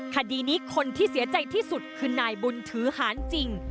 คดีนี้คนที่เสียใจที่สุดคือนายบุญถือหารจริง